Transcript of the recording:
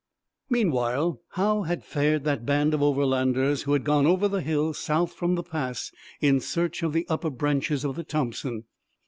Meanwhile, how had fared that band of the Overlanders who had gone over the hills south from the pass in search of the upper branches of the Thompson?